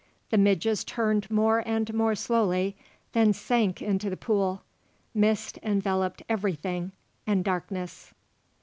The midges turned more and more slowly, then sank into the pool; mist enveloped everything, and darkness.